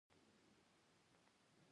تر څو چې د منځه لاړ شي.